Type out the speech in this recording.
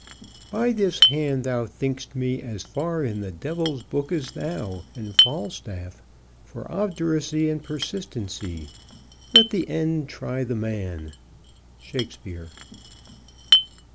By this hand, thou think'st me as far in the devil's book as thou and Falstaff, for obduracy and persistency. Let the end try the man. _Shakespeare.